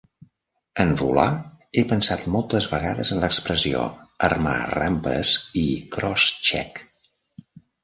En volar, he pensat moltes vegades en l'expressió "armar rampes i cross check".